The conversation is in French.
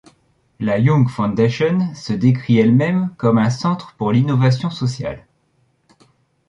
La Young Foundation se décrit elle-même comme un centre pour l’innovation sociale.